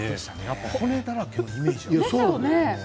骨だらけのイメージですね。